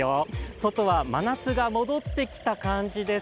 外は真夏が戻ってきた感じです。